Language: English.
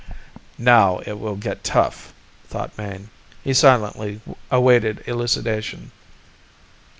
Now it will get tough, thought Mayne. He silently awaited elucidation.